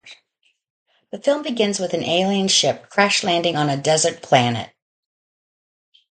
The film begins with an alien ship crash landing on a desert planet.